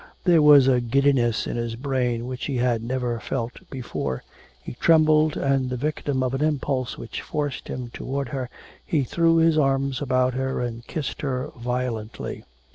There was a giddiness in his brain which he had never felt before; he trembled, and the victim of an impulse which forced him toward her, he threw his arms about her and kissed her violently.